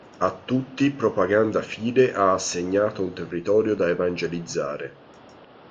A tutti Propaganda Fide ha assegnato un territorio da evangelizzare.